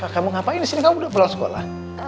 reva kamu ngapain disini kamu udah pulang sekolah